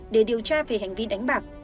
để điều tra về hành vi đánh bạc